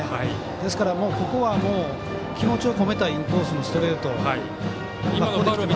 ですから、ここは気持ちを込めたインコースのストレートを。